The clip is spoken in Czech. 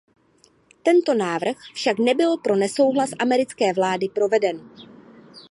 Tento návrh však nebyl pro nesouhlas americké vlády proveden.